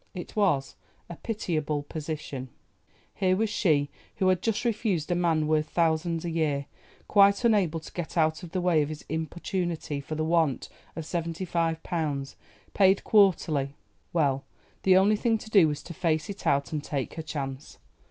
It was a pitiable position; here was she, who had just refused a man worth thousands a year, quite unable to get out of the way of his importunity for the want of seventy five pounds, paid quarterly. Well, the only thing to do was to face it out and take her chance.